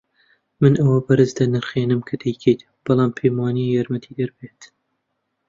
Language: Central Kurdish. من ئەوە بەرز دەنرخێنم کە دەیکەیت، بەڵام پێم وانییە یارمەتیدەر بێت.